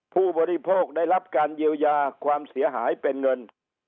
ผู้บริโภคได้รับการเยียวยาความเสียหายเป็นเงิน